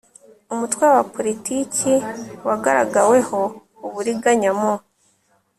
umutwe wa politiki wagaragaweho uburiganya mu